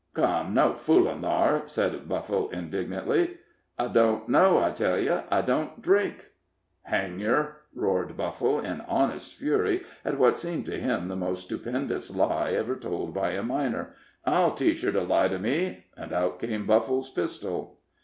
"Come, no foolin' thar," said Buffle, indignantly. "I don't know, I tell you I don't drink." "Hang yer!" roared Buffle, in honest fury at what seemed to him the most stupendous lie ever told by a miner, "I'll teach yer to lie to me." And out came Buffle's pistol.